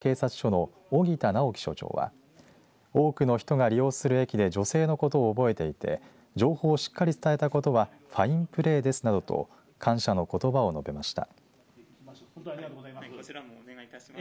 感謝状を贈った津幡警察署の荻田直樹署長は多くの人が利用する駅で女性のことを覚えていて情報をしっかり伝えたことはファインプレーですなどと感謝のことばを述べました。